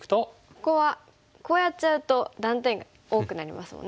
ここはこうやっちゃうと断点が多くなりますもんね。